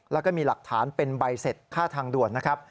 แล้วก็มีหลักฐานเป็นใบเสร็จค่าทางด่วนนะครับ